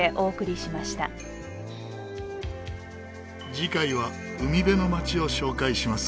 次回は海辺の町を紹介します。